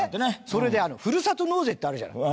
それでふるさと納税ってあるじゃない。